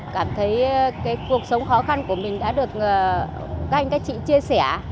cảm thấy cuộc sống khó khăn của mình đã được các anh các chị chia sẻ